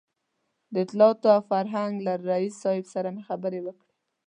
د اطلاعاتو او فرهنګ له رییس صاحب سره مې خبرې وکړې.